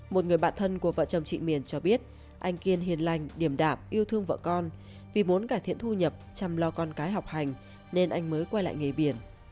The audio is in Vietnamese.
một người bạn thân của vợ chồng chị miền cho biết anh kiên hiền lành điểm đạm yêu thương vợ con vì muốn cải thiện thu nhập chăm lo con cái học hành nên anh mới quay lại nghề biển